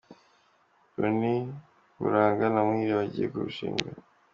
Bonny Buranga na Umuhire bagiye kurushinga.